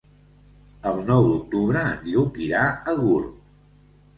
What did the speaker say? El nou d'octubre en Lluc irà a Gurb.